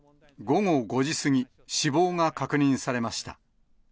午後５時過ぎ、死亡が確認されました。